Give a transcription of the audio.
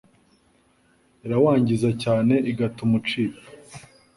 irawangiza cyane igatuma ucika.